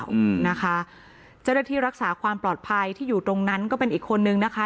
อืมนะคะเจ้าหน้าที่รักษาความปลอดภัยที่อยู่ตรงนั้นก็เป็นอีกคนนึงนะคะ